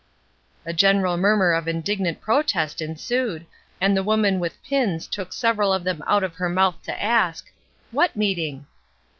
A general murmur of indignant protest en sued, and the woman with pins took several of them out of her mouth to ask, " What meeting